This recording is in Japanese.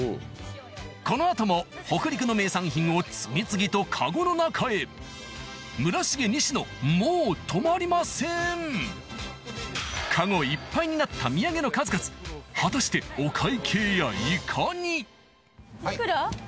この後も北陸の名産品を次々とかごの中へ村重西野もう止まりませんかごいっぱいになった土産の数々果たして幾ら？